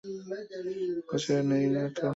আমার কাছে নেই তো।